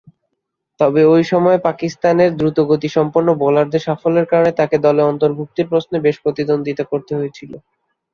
তবে, ঐ সময়ে পাকিস্তানের দ্রুতগতিসম্পন্ন বোলারদের সাফল্যের কারণে তাকে দলে অন্তর্ভুক্তির প্রশ্নে বেশ প্রতিদ্বন্দ্বিতা করতে হয়েছিল।